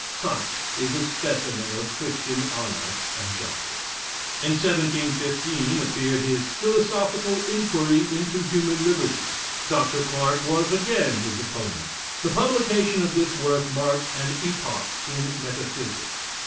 '" Such is a specimen of Christian honor and justice. In 1715, appeared his "Philosophical inquiry into Human Liberty." Dr. Clarke was again his opponent. The publication of this work marked an epoch in metaphysics.